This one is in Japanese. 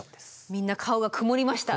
みんな顔が曇りました。